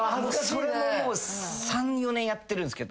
それももう３４年やってるんすけど。